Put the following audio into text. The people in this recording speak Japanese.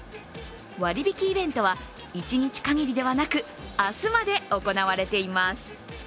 割引イベントは１日限りではなく明日まで行われています。